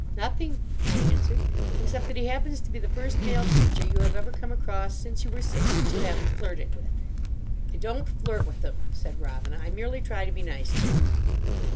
"Nothing," I answered; "except that he happens to be the first male creature you have ever come across since you were six that you haven't flirted with." "I don't flirt with them," said Robina; "I merely try to be nice to them."